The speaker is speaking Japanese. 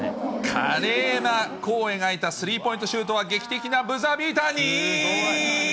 華麗な弧を描いたスリーポイントシュートは劇的なブザービーターに。